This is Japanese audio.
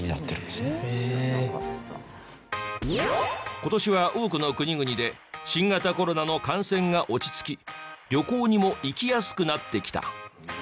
今年は多くの国々で新型コロナの感染が落ち着き旅行にも行きやすくなってきた。